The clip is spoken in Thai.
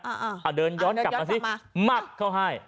เอาเดินย้อนกลับมาสิมับเข้าให้